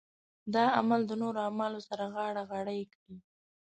دا عمل د نورو اعمالو سره غاړه غړۍ کړي.